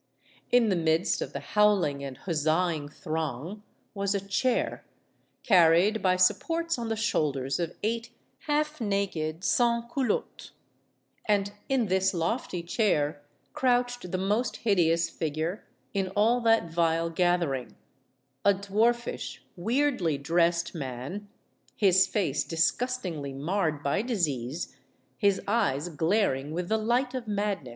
In the midst of the howling and huzzaing throng was a chair, carried by supports on the shoulders of eight half naked sans culottes. And in this lofty chair crouched the most hideous figure in all that vile gath ering a dwarfish, weirdly dressed man, his face dis gustingly marred by disease, his eyes glaring with the light of madness.